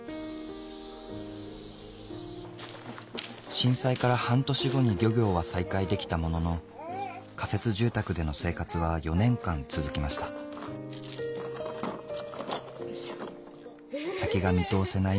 震災から半年後に漁業は再開できたものの仮設住宅での生活は４年間続きました先が見通せない